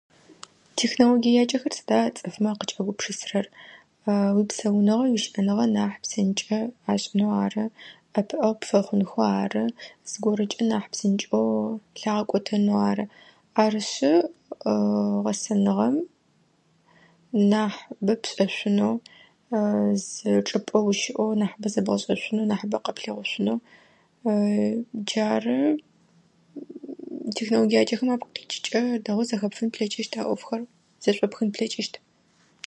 Техналогиякӏэхэр сыда цӏыфмэ къыкӏагупшысрэр упсэуныгъэ, ущыӏэныгъэ нахь псынкӏэ ашӏынэу ары, ӏэпыӏэгъу пфэхъунэу ары, зыгорэкӏэ нахь псынкӏэу лъагъэкӏотэнэу ары. Арышъы гъэсэныгъэм нахь бэ пшӏэшъуынэу зы чӏыпэ уыщыӏэу нахьыбэ зэбгъэшӏэшъуынэу нахьыбэ къэплъэгъушъуынэу джары технологиякӏхэм апкъ къикӏыкӏэ дэгъыоу зэхэпхын плъэкӏыщт а ӏыофхэр зэшӏопхын плъэкӏыщт.